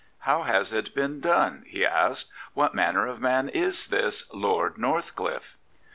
" How has it been done? " he asked. " What manner of man is this Lord Northcliffe?